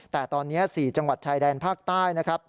แต่ตอนนี้๔จังหวัดชายแดนภาคใต้นะครับ